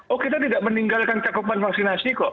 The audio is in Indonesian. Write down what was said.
oh kita tidak meninggalkan cakupan vaksinasi kok